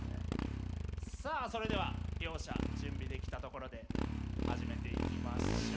さあそれでは両者準備できたところで始めていきましょう！